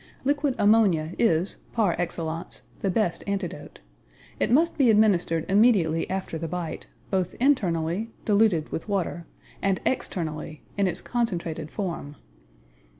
Liquid ammonia is, par excellence, the best antidote. It must be administered immediately after the bite, both internally, diluted with water, and externally, in its concentrated form.